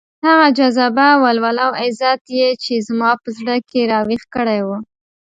هغه جذبه، ولوله او عزت يې چې زما په زړه کې راويښ کړی وو.